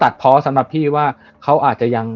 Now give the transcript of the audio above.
จริง